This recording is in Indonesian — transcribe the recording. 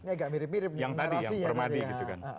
ini agak mirip mirip dengan narasinya tadi ya